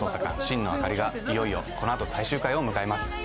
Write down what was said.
心野朱梨』がいよいよこのあと最終回を迎えます。